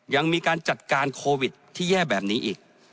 ยังมีการจัดการโควิดที่แย่แบบนี้อีก